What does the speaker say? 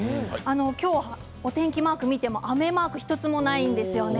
今日はお天気マーク見ても雨マーク１つもないんですよね。